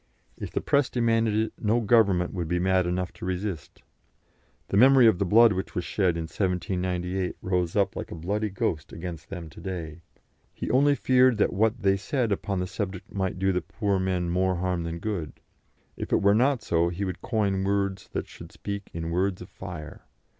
If the press demanded it, no Government would be mad enough to resist. The memory of the blood which was shed in 1798 rose up like a bloody ghost against them to day. He only feared that what they said upon the subject might do the poor men more harm than good. If it were not so, he would coin words that should speak in words of fire.